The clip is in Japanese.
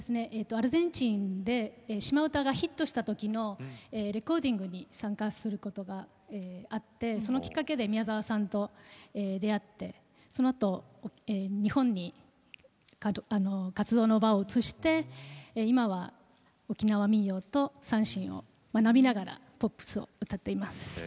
アルゼンチンで「島唄」がヒットしたときのレコーディングに参加することがあってそのきっかけで宮沢さんと出会ってそのあと日本に活動の場を移して今は沖縄民謡と三線を学びながらポップスを歌っています。